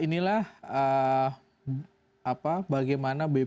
inilah bagaimana bpk itu mempunyai kewenangan dan keuntungan